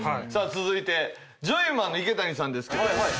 続いてジョイマンの池谷さんですけど。